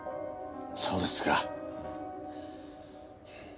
そうですか。